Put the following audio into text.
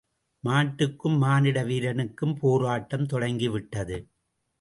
மாட்டுக்கும் மானிட வீரனுக்கும் போராட்டம் தொடங்கிவிட்டது.